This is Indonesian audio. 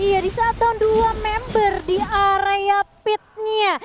iya di saat tahun dua member di area pitnya